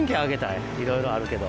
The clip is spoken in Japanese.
いろいろあるけど。